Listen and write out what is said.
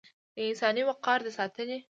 د انساني وقار د ساتنې